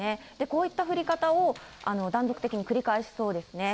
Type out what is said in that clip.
こういった降り方を断続的に繰り返しそうですね。